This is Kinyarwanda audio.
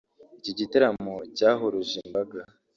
Iki gitaramo cyahuruje imbaga